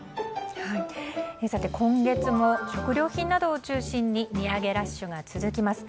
今月も食料品などを中心に値上げラッシュが続きます。